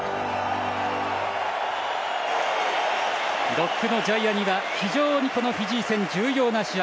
ロックのジャイアニは非常にフィジー戦、重要な試合。